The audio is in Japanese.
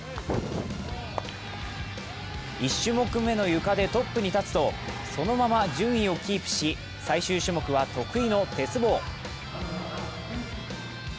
１種目めのゆかでトップに立つと、そのまま順位をキープし、最終種目は得意の鉄棒。